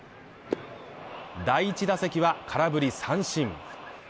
第１打席は空振り三振。